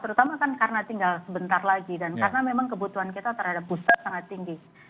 terutama kan karena tinggal sebentar lagi dan karena memang kebutuhan kita terhadap booster sangat tinggi